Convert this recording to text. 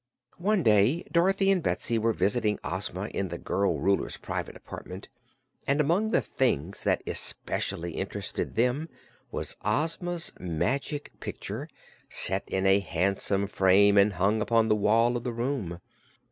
One day Dorothy and Betsy were visiting Ozma in the girl Ruler's private apartment, and among the things that especially interested them was Ozma's Magic Picture, set in a handsome frame and hung upon the wall of the room.